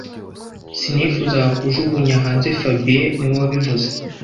Sinifuzaga kujugunya hanze fabien niwe wabivuze